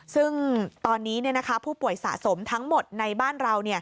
ซึ่งตอนนี้ผู้ป่วยสะสมทั้งหมดในบ้านเรา